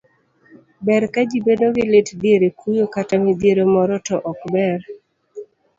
ber ka ji bedo gi lit diere kuyo kata midhiero moro to ok ber